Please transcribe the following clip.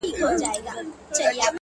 راځه د اوښکو تويول در زده کړم،